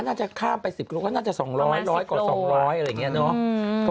น่าจะข้ามไปสิบกิโลก็น่าจะ๒๐๐กว่า๒๐๐อะไรเงี้ยเนอะ